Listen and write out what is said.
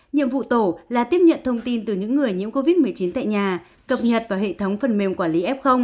nhiệm vụ tổ là tiếp nhận thông tin từ những người nhiễm covid một mươi chín tại nhà cập nhật vào hệ thống phần mềm quản lý f